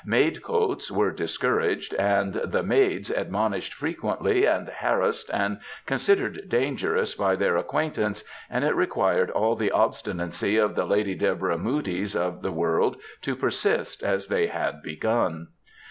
" Maid cotes ''* were discouraged, and the " maids ^ admonished frequently, and " harassed ''^ and " considered dangerous ^ by their acquaintance, and it required all the obstinacy of the Leuly Deborah Moodys of the world to " persist '^ as they had begun.